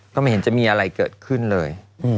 ไม่เห็นจะมีอะไรเกิดขึ้นเลย